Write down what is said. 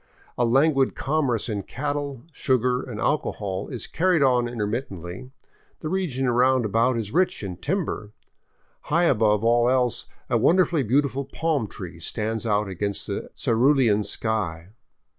A languid commerce in cattle, sugar, and alcohol is carried on intermittently; the region round about is rich in timber. High above all else a wonderfully beautiful palm tree stands out against the cerulean sky.